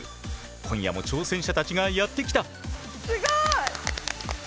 今夜も挑戦者たちがやって来た！